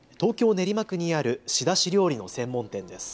練馬区にある仕出し料理の専門店です。